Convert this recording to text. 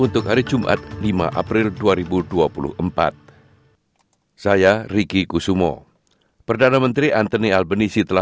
sampai jumpa di sps bahasa indonesia